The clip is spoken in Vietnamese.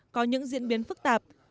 có những diễn biến phức tạp